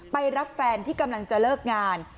ไปรับแฟนที่กำลังจะเลิกงาน